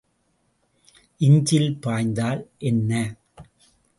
இஞ்சியில் பாய்ந்தால் என்ன?